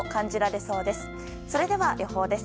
それでは予報です。